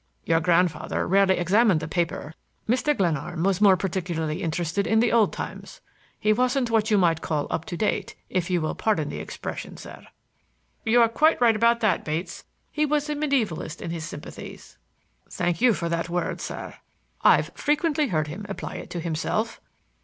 "Your grandfather rarely examined the paper. Mr. Glenarm was more particularly interested in the old times. He wasn't what you might call up to date,—if you will pardon the expression, sir." "You are quite right about that, Bates. He was a medievalist in his sympathies." "Thank you for that word, sir; I've frequently heard him apply it to himself.